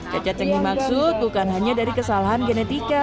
cacat yang dimaksud bukan hanya dari kesalahan genetika